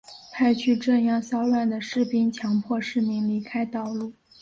派去镇压骚乱的士兵强迫市民离开道路。